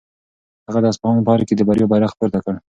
هغه د اصفهان په ارګ کې د بریا بیرغ پورته کړ.